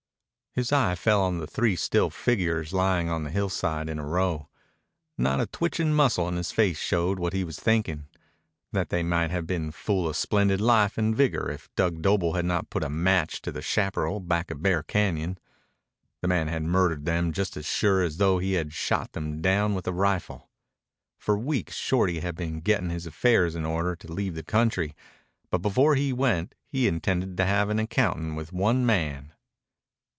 His eye fell on the three still figures lying on the hillside in a row. Not a twitching muscle in his face showed what he was thinking, that they might have been full of splendid life and vigor if Dug Doble had not put a match to the chaparral back of Bear Cañon. The man had murdered them just as surely as though he had shot them down with a rifle. For weeks Shorty had been getting his affairs in order to leave the country, but before he went he intended to have an accounting with one man.